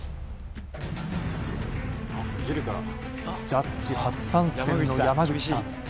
ジャッジ初参戦の山口さん